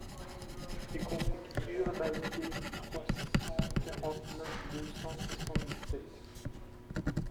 Desconficture Lavieille trois cent quarante-neuf deux cent soixante-dix-sept.